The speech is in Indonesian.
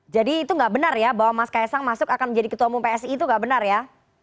jadi itu gak benar ya bahwa mas khaesang masuk akan menjadi ketua umum psi itu gak benar ya